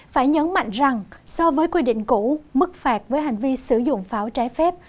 phải nhấn mạnh rằng so với quy định cũ mức phạt với hành vi sử dụng pháo trái phép